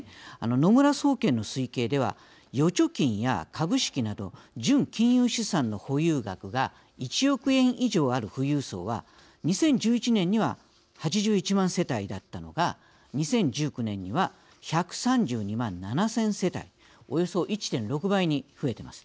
野村総研の推計では預貯金や株式など純金融資産の保有額が１億円以上ある富裕層は２０１１年には８１万世帯だったのが２０１９年には１３２万７，０００世帯およそ１．６倍に増えています。